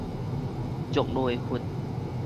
若內弗